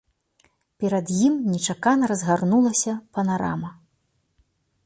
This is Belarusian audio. Перад ім нечакана разгарнулася панарама.